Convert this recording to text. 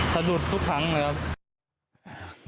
สะดุดทุกครั้งเลยครับ